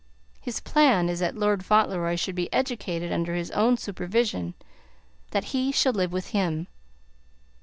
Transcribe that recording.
His plan is that Lord Fauntleroy shall be educated under his own supervision; that he shall live with him.